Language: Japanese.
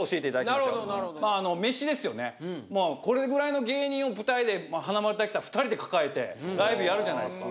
まあこれぐらいの芸人を舞台で華丸・大吉さん２人で抱えてライブやるじゃないですか。